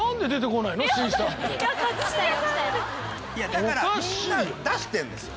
だからみんな出してるんですよ。